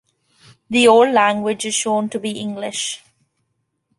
The old language is shown to be English.